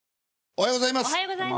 おはようございます。